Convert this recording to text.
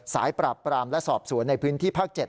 ปราบปรามและสอบสวนในพื้นที่ภาค๗